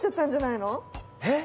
え？